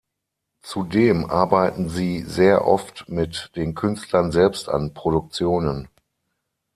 Zudem arbeiten sie sehr oft mit den Künstlern selbst an Produktionen.